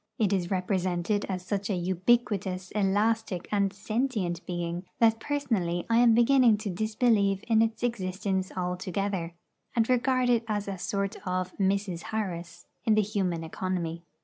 It is represented as such an ubiquitous, elastic, and sentient being, that personally I am beginning to disbelieve in its existence altogether, and regard it as a sort of 'Mrs. Harris' in the human economy.